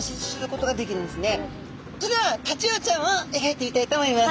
それではタチウオちゃんをえがいてみたいと思います！